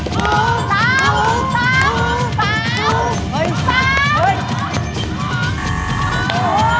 เมื่อเกินไปด้วยเลื่อนต่อ